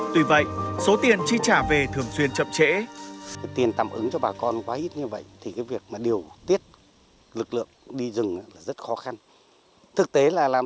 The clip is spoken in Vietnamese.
tuy vậy số tiền chi trả về thường xuyên chậm trễ